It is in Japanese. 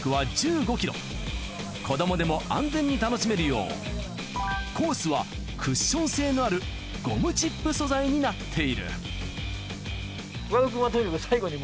子どもでも安全に楽しめるようコースはクッション性のあるゴムチップ素材になっている。